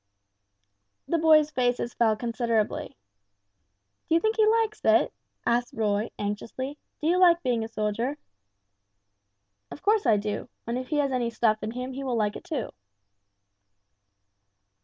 The boys' faces fell considerably. "Do you think he likes it?" asked Roy, anxiously; "do you like being a soldier?" "Of course I do, and if he has any stuff in him he will like it, too."